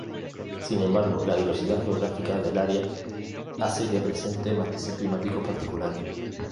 Sin embargo la diversidad geográfica del área hace que presente matices climáticos particulares.